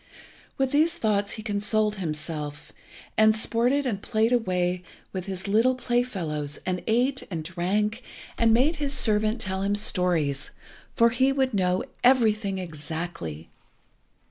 With these thoughts he consoled himself, and sported and played away with his little play fellows, and ate, and drank, and made his servant tell him stories, for he would know everything exactly.